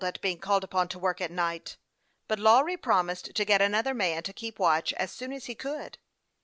245 at being called upon to work at night ; but Lawry promised to get another man to keep watch and watch with him as soon as he could.